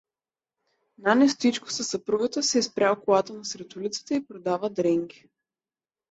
Нане Стоичко със съпругата си е спрял колата на сред улицата и продава дренки.